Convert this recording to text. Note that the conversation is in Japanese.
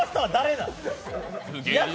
なん？